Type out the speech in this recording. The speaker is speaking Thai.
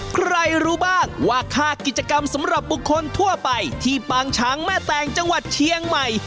ใครรู้บ้างว่าค่ากิจกรรมสำหรับบุคคลทั่วไปที่ปางช้างแม่แตงจังหวัดเชียงใหม่